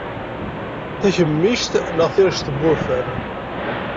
Takemmict neɣ tirect n wurfan.